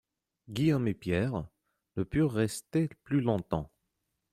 Guillaume et Pierre ne purent rester plus longtemps.